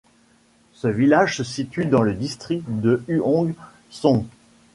Ce village se situe dans le District de Huong Son.